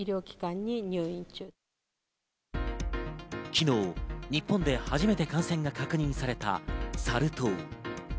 昨日、日本で初めて感染が確認されたサル痘。